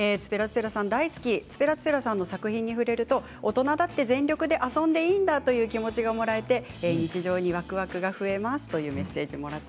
大好き、作品に触れると、大人だって全力で遊んでいいんだという気持ちがもらえて日常にわくわくが増えますというメッセージです。